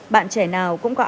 bạn trẻ nào cũng có áp lực